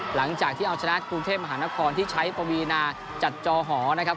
หลังจากที่เอาชนะกรุงเทพมหานครที่ใช้ปวีนาจัดจอหอนะครับ